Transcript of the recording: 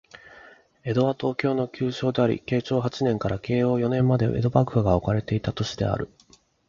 江戸は、東京の旧称であり、慶長八年から慶応四年まで江戸幕府が置かれていた都市である